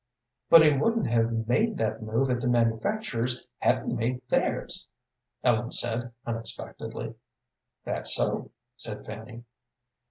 "But he wouldn't have made that move if the manufacturers hadn't made theirs," Ellen said, unexpectedly. "That's so," said Fanny.